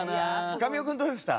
神尾君どうでした？